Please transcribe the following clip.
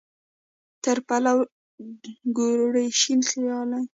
تر پلو ګوري شین خالۍ.